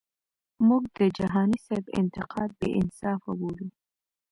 مونږ د جهانی سیب انتقاد بی انصافه بولو.